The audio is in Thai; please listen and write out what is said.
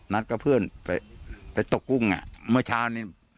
นัดกับเพื่อนไปตกกุ้งอ่ะเมื่อเช้านี้